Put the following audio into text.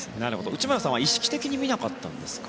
内村さんは意識的に見なかったんですか。